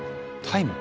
タイム？